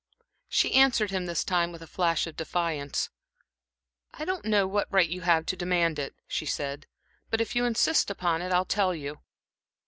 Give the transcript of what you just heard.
She answered him this time with a flash of defiance. "I don't know," she said, "what right you have to demand it. But if you insist upon it, I'll tell you.